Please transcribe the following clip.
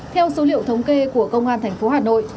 theo số liệu thống kê của công an thành phố hà nội